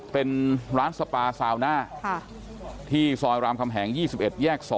เป็นร้านสปาซาวน่าที่ซอยรามคำแหงยี่สิบเอ็ดแยกสอง